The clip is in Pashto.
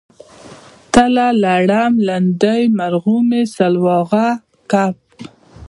تله لړم لیندۍ مرغومی سلواغه کب